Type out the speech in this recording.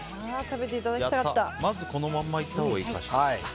まずこのまんまいったほうがいいかな。